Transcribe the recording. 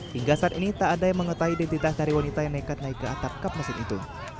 hingga saat ini tak ada yang mengetahui identitas dari wanita yang nekat naik ke atap kap mesin itu